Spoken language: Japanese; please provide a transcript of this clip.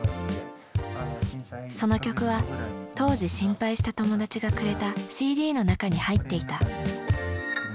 その曲は当時心配した友達がくれたＣＤの中に入っていた。